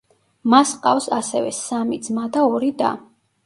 მას ჰყავდა ასევე სამი ძმა და ორი და.